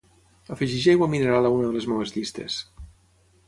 Afegeix aigua mineral a una de les meves llistes.